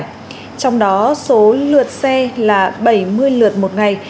trong đó số lượt xe là bảy mươi lượt một ngày